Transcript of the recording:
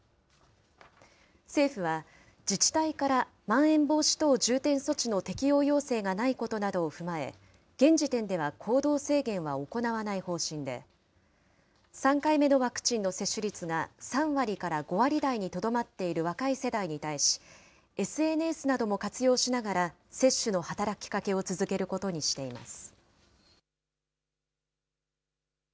政府は、自治体からまん延防止等重点措置の適用要請がないことなどを踏まえ、現時点では行動制限は行わない方針で、３回目のワクチンの接種率が３割から５割台にとどまっている若い世代に対し、ＳＮＳなども活用しながら接種の働きかけを続けることにしています。